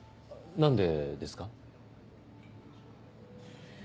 何でですか？